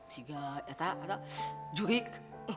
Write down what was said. siga ya teh jurik